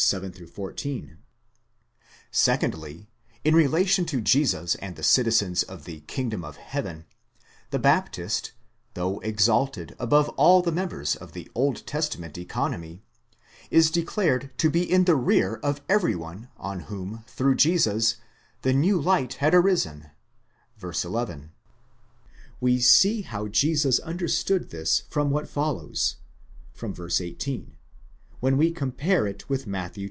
7 14); secondly, in relation to Jesus and the citizens of the Aingdom of heaven, the Baptist, though exalted above all the members of the Old Testament economy, is declared to be in the rear of every one on whom, through Jesus, the new light had arisen (v. 11). We see how Jesus understood this from what follows (v. 18), when we compare it with Matt.